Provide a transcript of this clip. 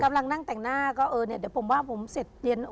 กำลังนั่งแต่งหน้าก็เออเนี่ยเดี๋ยวผมว่าผมเสร็จเรียน